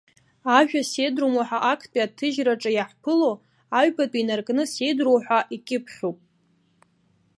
Ажәа седрума ҳәа актәи аҭыжьраҿы иаҳԥыло, аҩбатәи инаркны седроу ҳәа икьыԥхьуп.